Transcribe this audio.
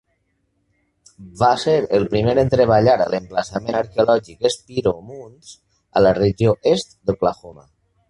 Va ser el primer en treballar a l"emplaçament arqueològic Spiro Mounds a la regió est d"Oklahoma.